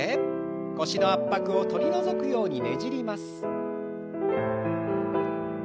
腰の圧迫を取り除くようにねじります。